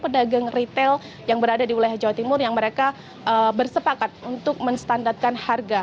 pedagang retail yang berada di wilayah jawa timur yang mereka bersepakat untuk menstandatkan harga